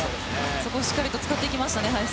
そこをしっかり使っていきましたね。